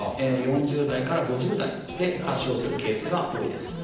４０代から５０代で発症するケースが多いです。